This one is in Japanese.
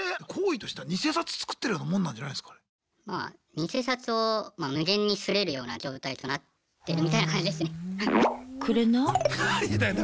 偽札を無限に刷れるような状態となってるみたいな感じですね。